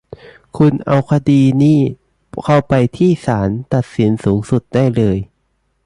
คุณเอาคดีนี่เข้าไปที่ศาลตัดสินสูงสุดได้เลย